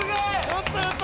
「やったやった！」